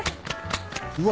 うわ